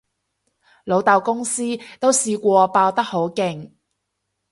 老豆公司都試過爆得好勁